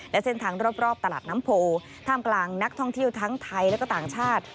และเส้นทางรอบตลาดน้ำโพท่ามกลางนักท่องเที่ยวทั้งไทยและก็ต่างชาติ